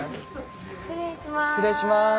失礼します。